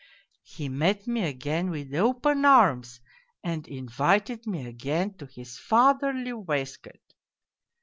He met me again with open arms, and invited me again to his fatherly waistcoat.